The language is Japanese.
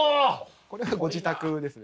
これはご自宅ですね。